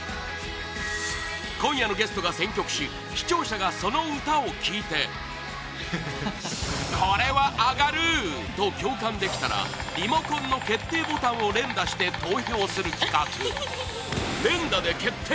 今夜のゲストが選曲し視聴者が、その歌を聴いてこれはアガる！と共感できたらリモコンの決定ボタンを連打して投票する企画連打で決定！